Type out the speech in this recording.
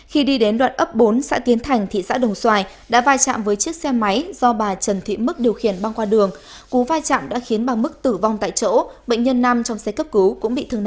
khi đi đến đoạn ấp bốn xã tiến thành thị xã đồng xoài đã va chạm với chiếc xe máy do bà trần thị mức điều khiển băng qua đường cú va chạm đã khiến bà mức tử vong tại chỗ bệnh nhân nam trong xe cấp cứu cũng bị thương nặng